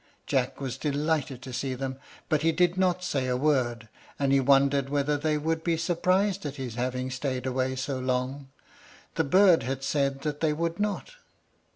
Jack was delighted to see them, but he did not say a word, and he wondered whether they would be surprised at his having stayed away so long. The bird had said that they would not.